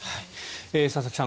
佐々木さん